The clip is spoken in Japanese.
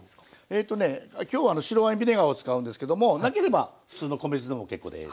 えとね今日は白ワインビネガーを使うんですけどもなければ普通の米酢でも結構です。